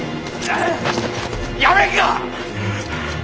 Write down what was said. やめんか！